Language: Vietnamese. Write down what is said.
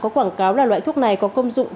có quảng cáo là loại thuốc này có công dụng